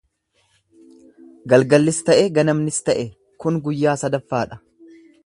Galgallis ta'e, ganamnis ta'e; kun guyyaa sadaffaa dha.